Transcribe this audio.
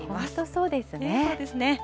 そうですね。